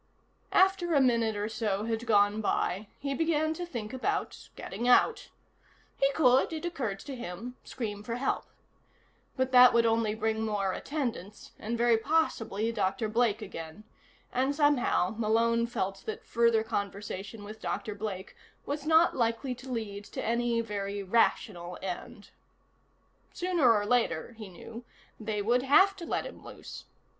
After a minute or so had gone by he began to think about getting out. He could, it occurred to him, scream for help. But that would only bring more attendants, and very possibly Dr. Blake again, and somehow Malone felt that further conversation with Dr. Blake was not likely to lead to any very rational end. Sooner or later, he knew, they would have to let him loose.